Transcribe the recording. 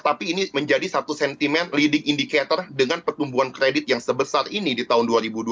tapi ini menjadi satu sentimen leading indicator dengan pertumbuhan kredit yang sebesar ini di tahun dua ribu dua puluh